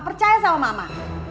percaya sama mama